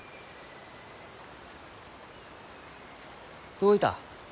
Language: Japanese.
どういた？